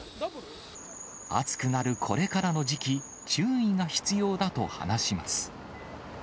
暑くなるこれからの時期、注意が必要だと話します。